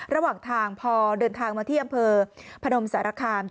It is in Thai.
ระหว่างทางพอเดินทางมาที่อำเภอพนมสารคาม